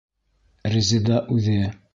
Резеда үҙе!